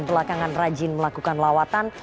belakangan rajin melakukan lawatan